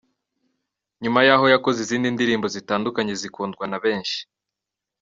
Nyuma y'aho yakoze izindi ndirimbo zitandukanye zikundwa na benshi.